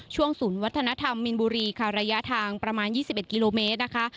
ศูนย์วัฒนธรรมมินบุรีค่ะระยะทางประมาณ๒๑กิโลเมตรนะคะ